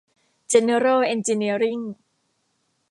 เจนเนอรัล เอนจิเนียริ่ง